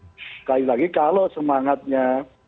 sekali lagi kalau semangatnya